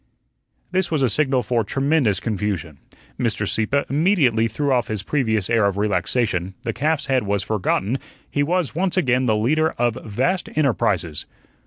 This was a signal for tremendous confusion. Mr. Sieppe immediately threw off his previous air of relaxation, the calf's head was forgotten, he was once again the leader of vast enterprises.